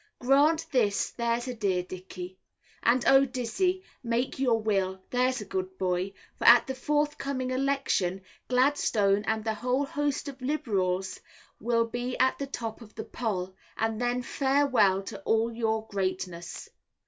Grant this, there's a dear Dickey. And oh, Dizzey, make your will, there's a good boy, for at the forthcoming election, Gladstone and the whole host of Liberals will be at the top of the poll, and then farewell to all your greatness.